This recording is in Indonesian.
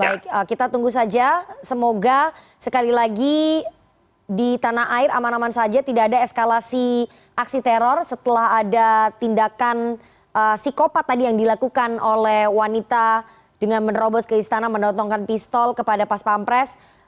baik kita tunggu saja semoga sekali lagi di tanah air aman aman saja tidak ada eskalasi aksi teror setelah ada tindakan psikopat tadi yang dilakukan oleh wanita dengan menerobos ke istana mendontongkan pistol kepada pas pampres